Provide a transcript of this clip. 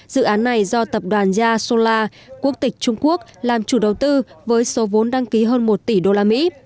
dự án này do tập đoàn ia solar quốc tịch trung quốc làm chủ đầu tư với số vốn đăng ký hơn một tỷ đô la mỹ